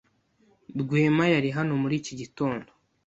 Rwema yari hano muri iki gitondo.